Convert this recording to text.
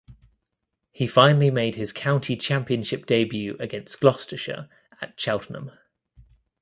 He finally made his County Championship debut against Gloucestershire at Cheltenham.